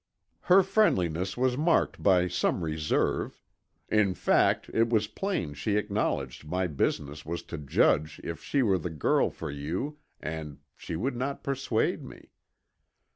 Her friendliness was marked by some reserve. In fact, it was plain she acknowledged my business was to judge if she were the girl for you and she would not persuade me.